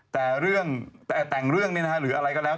แต่เรื่องแต่แต่งเรื่องเนี่ยนะฮะหรืออะไรก็แล้ว